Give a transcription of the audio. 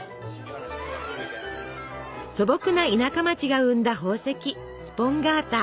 素朴な田舎町が生んだ宝石スポンガータ。